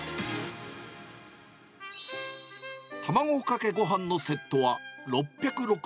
卵かけごはんのセットは６６０円。